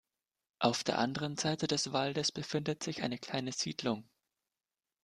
Auf der anderen Seite des Waldes befindet sich eine kleine Siedlung.